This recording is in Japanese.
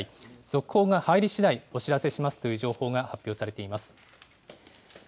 続報が入りしだい、お知らせしますという情報が発表されています。